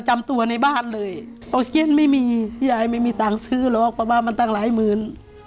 มันตั้งหลายหมื่น